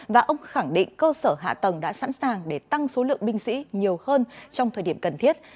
và ông khẳng định cơ sở hạ tầng đã sẵn sàng để tăng số lượng binh sĩ nhiều hơn trong thời điểm cần thiết